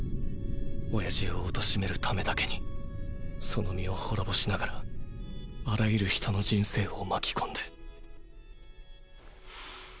親父を貶めるためだけにその身を滅ぼしながらあらゆる人の人生を巻き込んで